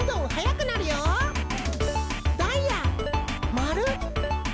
まる！